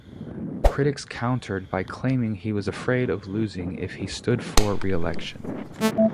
Critics countered by claiming he was afraid of losing if he stood for reelection.